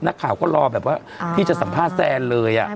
นักข่าวก็รอแบบว่าที่จะสัมภาษณ์แซนเลย